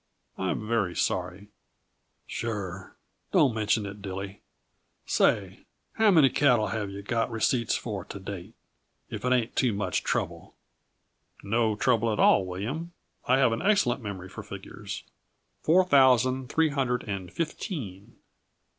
I'm very sorry " "Sure. Don't mention it, Dilly. Say, how many cattle have yuh got receipts for, to date if it ain't too much trouble?" "No trouble at all, William. I have an excellent memory for figures. Four thousand, three hundred and fifteen.